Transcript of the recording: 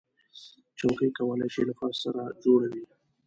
چوکۍ کولی شي له فرش سره جوړه وي.